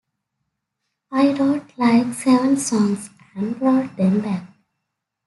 I wrote, like, seven songs and brought them back.